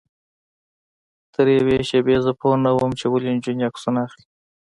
تر یوې شېبې زه پوی نه وم چې ولې نجونې عکسونه اخلي.